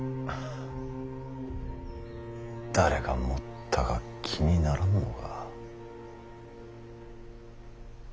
誰が盛ったか気にならんのか。